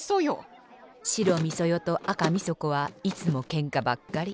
白みそ代と赤みそ子はいつもけんかばっかり。